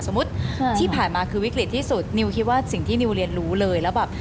ที่ผ่านมาคือวิกฤตที่สุดนิวคิดว่าสิ่งที่นิวเรียนรู้เลยแล้วแบบ